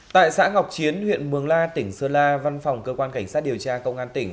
tại xã ngọc chiến huyện mường la tỉnh sơn la văn phòng cơ quan cảnh sát điều tra công an tỉnh